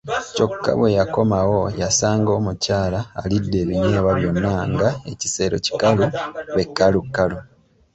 Kyokka bwe yakomawo yasanga omukyala alidde ebinyeebwa byonna nga ekisero kikalu be kkalukalu!